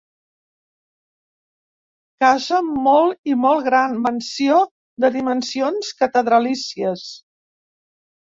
Casa molt i molt gran, mansió de dimensions catedralícies.